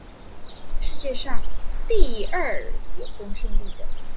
世界上第二有公信力的